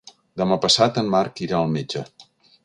Demà passat en Marc irà al metge.